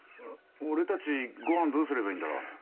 俺たちご飯どうすればいいんだろう？